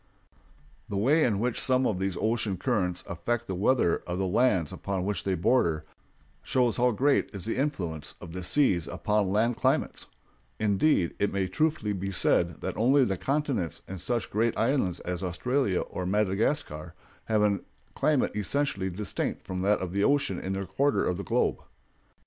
The way in which some of these ocean currents affect the weather of the lands upon which they border shows how great is the influence of the sea upon land climates; indeed, it may be truthfully said that only the continents and such great islands as Australia or Madagascar have any climate essentially distinct from that of the ocean in their quarter of the globe.